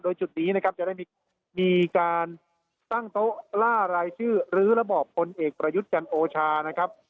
โดยจุดนี้นะครับจะได้มีการตั้งโต๊ะล่ารายชื่อหรือระบอบพลเอกประยุทธ์จันทร์โอชานะครับ